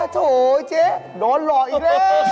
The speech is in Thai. โถ่เจ๊น้อนหล่ออีกแล้ว